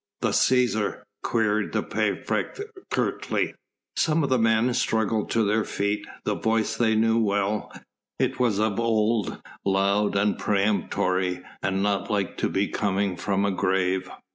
"The Cæsar?" queried the praefect curtly. Some of the men struggled to their feet. The voice they knew well; it was as of old, loud and peremptory and not like to be coming from a grave.